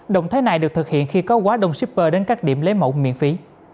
động thái này được thực hiện khi có quá đông shipper đến các điểm lấy mẫu miễn phí